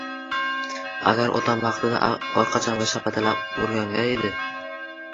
Agar otam vaqtida orqachamga shapatilab urganda edi.